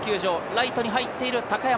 ライトに入ってる高山。